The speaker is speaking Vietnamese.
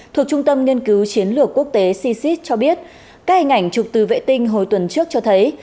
thuộc trung tâm nghiên cứu chiến lược quốc tế csis cho biết các hình ảnh chụp từ vệ tinh hồi tuần trước cho thấy